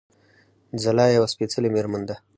ځلا يوه سپېڅلې مېرمن ده